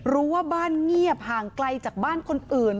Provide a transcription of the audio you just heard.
รู้ว่าบ้านเงียบห่างไกลจากบ้านคนอื่น